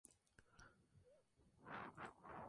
En la canción "Novia de nadie" hace dúo con Mikel Erentxun.